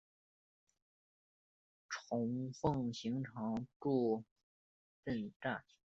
虫奉行常住战阵！